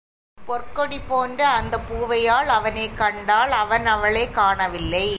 பொற்கொடி போன்ற அந்தப் பூவையாள் அவனைக் கண்டாள் அவன் அவளைக் காணவில்லை.